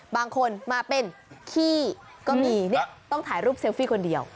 บางคนมาเป็นขี้ก็มีเนี่ยต้องถ่ายรูปเซลฟี่คนเดียว